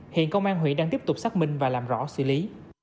hiện công an huyện đang tiếp tục xác minh và làm rõ xử lý